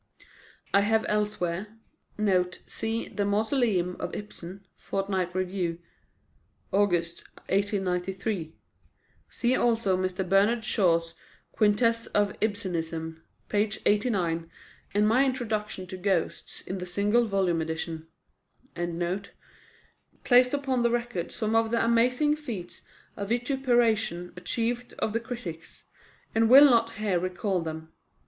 I have elsewhere [Note: See "The Mausoleum of Ibsen," Fortnightly Review, August 1893. See also Mr. Bernard Shaw's Quintessence of Ibsenism, p. 89, and my introduction to Ghosts in the single volume edition.] placed upon record some of the amazing feats of vituperation achieved of the critics, and will not here recall them.